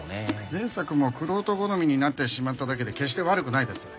前作も玄人好みになってしまっただけで決して悪くないです。